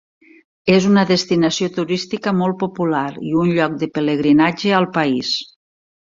És una destinació turística molt popular i un lloc de pelegrinatge al país.